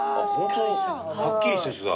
はっきりした人だ。